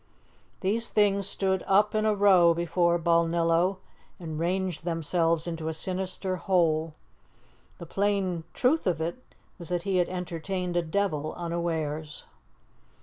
These things stood up in a row before Balnillo, and ranged themselves into a sinister whole. The plain truth of it was that he had entertained a devil unawares.